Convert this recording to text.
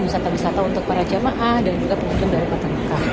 saya juga mengambahkan banyak sekali untuk para jamaah dan pengunjung dari kota mekah